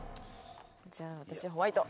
じゃあ私ホワイト。